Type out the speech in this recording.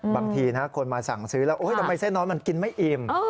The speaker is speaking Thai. บางทีคนมาสั่งซื้อแล้วทำไมเส้นน้อยมันกินไม่อิ่ม